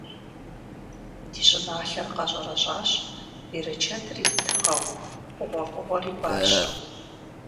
Ди щӀыналъэр къэщӀэрэщӀащ, берычэтыр и тыгъэу, хъугъуэфӀыгъуэр и бащэу.